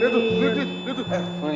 tuh tuh tuh tuh